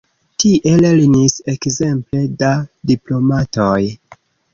Tie lernis ekzemple la diplomatoj.